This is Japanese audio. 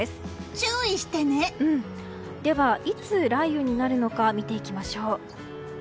ではいつ雷雨になるのか見ていきましょう。